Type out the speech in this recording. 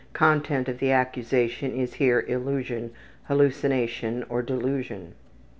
Content of the accusation is here illusion, hallucination, or delusion. 3.